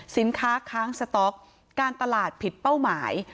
สินค้าค้างสต็อกการตลาดผิดเป้าหมาย